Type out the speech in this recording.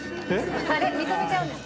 あれ、認めちゃうんですか？